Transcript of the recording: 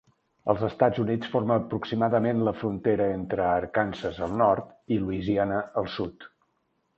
Als Estats Units forma aproximadament la frontera entre Arkansas al nord i Louisiana al sud.